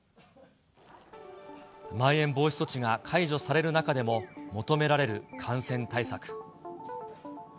まん延防止措置が解除される中でも、求められる感染対策。